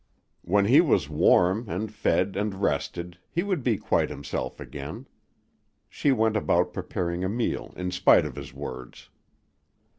When he was warm and fed and rested, he would be quite himself again. She went about preparing a meal in spite of his words.